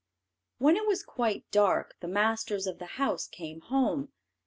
When it was quite dark the masters of the house came home.